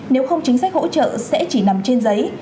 nếu không chính sách hỗ trợ sẽ chỉ nằm trên giấy